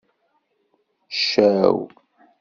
Ccaw.